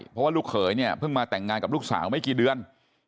เพราะว่าลูกเขยเนี่ยเพิ่งมาแต่งงานกับลูกสาวไม่กี่เดือน